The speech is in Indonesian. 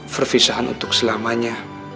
perpisahan untuk selamanya